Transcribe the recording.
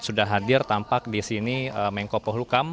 sudah hadir tampak disini mengko pohlukam